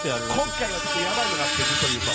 今回はちょっとヤバいのがあって、実を言うと。